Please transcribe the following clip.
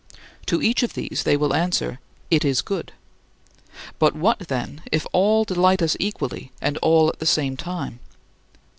To each of these, they will answer, "It is good." But what, then, if all delight us equally and all at the same time?